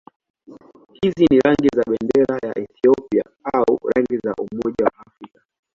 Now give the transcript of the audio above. Hizi ni rangi za bendera ya Ethiopia au rangi za Umoja wa Afrika.